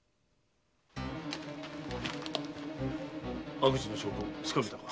・悪事の証拠をつかめたか？